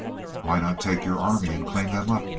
"Why not take your army and clean them up?"